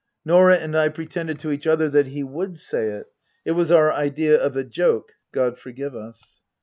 Norah and I pretended to each other that he would say it it was our idea of a joke, God forgive us.